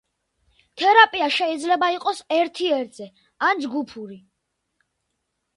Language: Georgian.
თერაპია შეიძლება იყოს ერთი-ერთზე, ან ჯგუფური.